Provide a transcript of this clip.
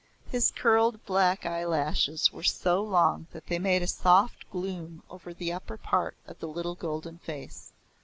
His curled black eyelashes were so long that they made a soft gloom over the upper part of the little golden face.